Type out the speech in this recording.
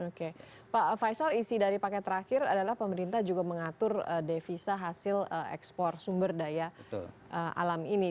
oke pak faisal isi dari paket terakhir adalah pemerintah juga mengatur devisa hasil ekspor sumber daya alam ini